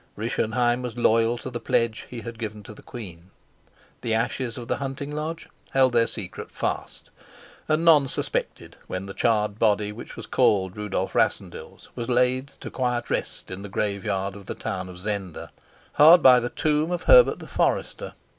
Rischenheim was loyal to the pledge he had given to the queen. The ashes of the hunting lodge held their secret fast, and none suspected when the charred body which was called Rudolf Rassendyll's was laid to quiet rest in the graveyard of the town of Zenda, hard by the tomb of Herbert the forester.